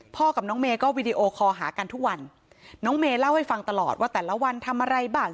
กับน้องเมย์ก็วีดีโอคอลหากันทุกวันน้องเมย์เล่าให้ฟังตลอดว่าแต่ละวันทำอะไรบ้าง